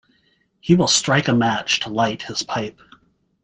He will strike a match to light his pipe.